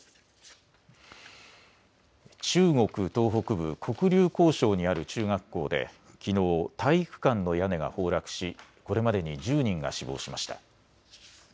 中国東北部、黒竜江省にある中学校できのう体育館の屋根が崩落し、これまでに１０人が死亡しました。